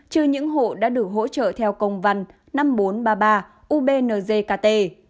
trừ những hộ đã được hỗ trợ theo công văn năm nghìn bốn trăm ba mươi ba ubnzkt